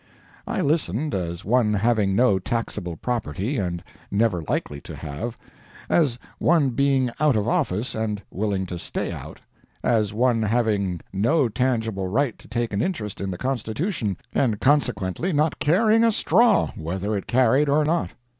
I listened as one having no taxable property and never likely to have; as one being out of office and willing to stay out; as one having no tangible right to take an interest in the Constitution, and consequently not caring a straw whether it carried or not.